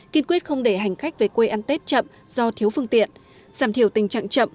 kiên quyết không để hành khách về quê ăn tết chậm do thiếu phương tiện giảm thiểu tình trạng chậm